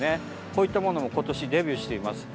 こういったものも今年デビューしています。